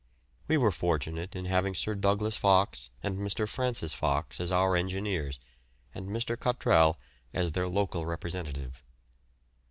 We were fortunate in having Sir Douglas Fox and Mr. Francis Fox as our engineers, and Mr. Cottrell as their local representative.